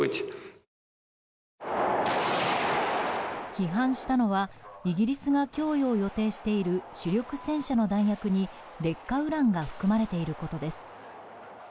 批判したのはイギリスが供与を予定している主力戦車の弾薬に劣化ウランが含まれていることです。